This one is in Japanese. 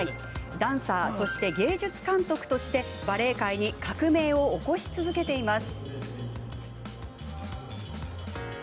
ダンサー、そして芸術監督としてバレエ界に革命を起こし続けています。